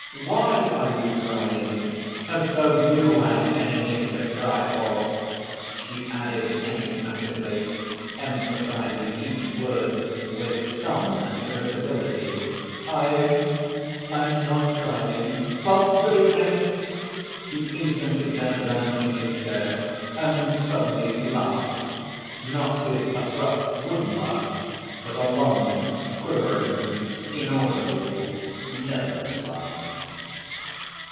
Why are you crying? As though you had anything to cry for!" she added enigmatically, emphasizing each word with some irritability. "I ... I'm not crying.... Well, good evening!" He instantly turned round in his chair, and suddenly laughed, not his abrupt wooden laugh, but a long, quivering, inaudible nervous laugh.